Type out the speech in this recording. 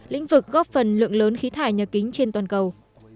lĩnh vực góp phần lượng lớn khí thải nhà kính trên toàn cầu